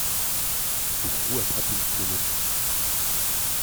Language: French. Frou-Frou attrape une pneumonie.